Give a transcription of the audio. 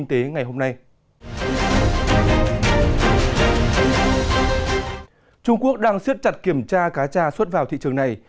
trung quốc đang siết chặt kiểm tra cá trà xuất vào thị trường này